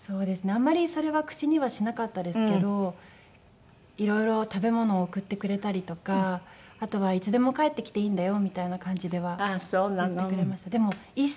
あんまりそれは口にはしなかったですけどいろいろ食べ物を送ってくれたりとかあとはいつでも帰ってきていいんだよみたいな感じでは。